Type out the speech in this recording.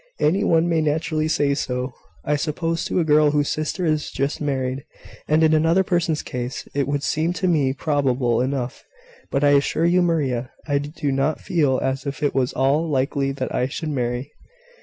Any one may naturally say so, I suppose, to a girl whose sister is just married: and in another person's case it would seem to me probable enough, but I assure you, Maria, I do not feel as if it was at all likely that I should marry."